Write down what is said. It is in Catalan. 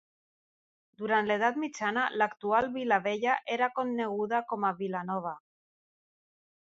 Durant l'Edat Mitjana, l'actual Vila Vella era coneguda com a Vila Nova.